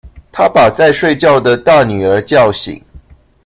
她把在睡覺的大女兒叫醒